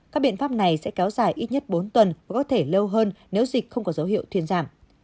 các biện pháp này sẽ kéo dài ít nhất bốn tuần và có thể lâu hơn nếu dịch không có dấu hiệu thuyền giảm